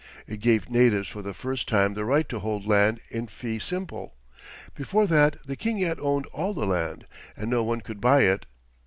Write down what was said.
It gave natives for the first time the right to hold land in fee simple; before that the King had owned all the land, and no one could buy it.